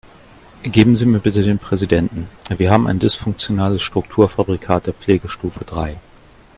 Geben Sie mir bitte den Präsidenten, wir haben ein dysfunktionales Strukturfabrikat der Pflegestufe drei.